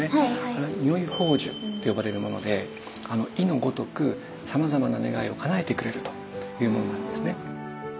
あれ如意宝珠って呼ばれるもので意のごとくさまざまな願いをかなえてくれるというものなんですね。